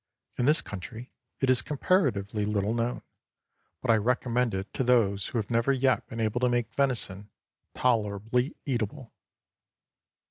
In this country it is comparatively little known; but I recommend it to those who have never yet been able to make venison "tolerably eatable."